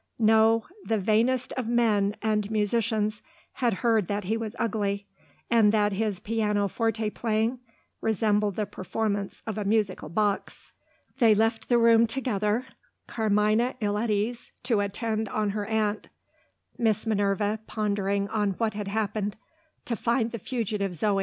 No: the vainest of men and musicians had heard that he was ugly, and that his pianoforte playing resembled the performance of a musical box. They left the room together Carmina, ill at ease, to attend on her aunt; Miss Minerva, pondering on what had happened, to find the fugitive Zo.